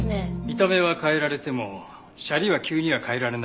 見た目は変えられてもシャリは急には変えられないはずです。